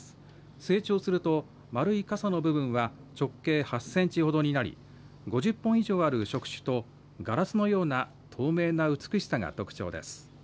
成長すると丸い傘の部分は直径８センチほどになり５０本以上ある触手とガラスのような透明な美しさが特徴です。